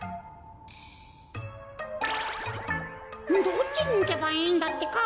どっちにいけばいいんだってか？